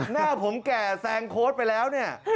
หน้าผมแก่แซงโค้ดไปแล้ว